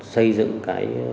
xây dựng cái